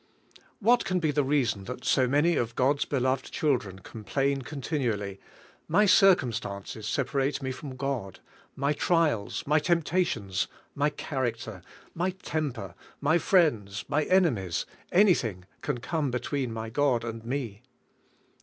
What can be the reason that so many of God's beloved children complain continually: "My cir cumstances separate me from God; my triak^, my temptations, my character, my temper, my friends, my enemies, anything can come between my God and me?"